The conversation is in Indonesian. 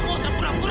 kaerah aku yang kotor